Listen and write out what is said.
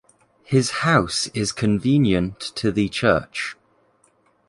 His house is convenient to the church.